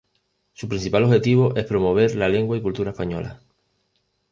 Su principal objetivo es promover la lengua y cultura española.